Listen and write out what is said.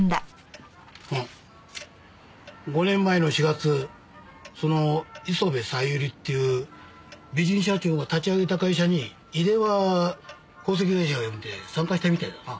５年前の４月その磯部小百合っていう美人社長が立ち上げた会社に井出は宝石会社を辞めて参加したみたいだな。